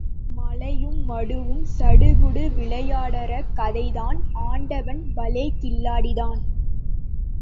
மலையும் மடுவும் சடுகுடு விளையாடற கதைதான் ஆண்டவன் பலே கில்லாடிதான்!